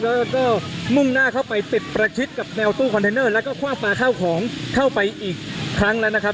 แล้วก็มุ่งหน้าเข้าไปติดประชิดกับแนวตู้คอนเทนเนอร์แล้วก็คว่างปลาข้าวของเข้าไปอีกครั้งแล้วนะครับ